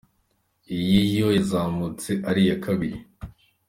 Iyi, yo yazamutse ari iya kabiri.